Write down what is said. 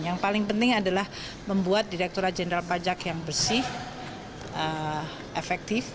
yang paling penting adalah membuat direkturat jenderal pajak yang bersih efektif